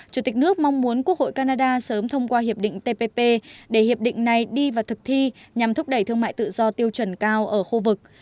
chủ tịch nước mong muốn quốc hội canada sớm thông qua hiệp định tpp để hiệp định này đi vào thực thi nhằm thúc đẩy thương mại tự do tiêu chuẩn cao ở khu vực